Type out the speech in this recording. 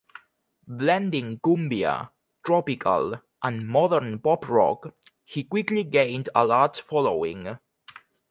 Blending cumbia, tropical, and modern pop rock, he quickly gained a large following.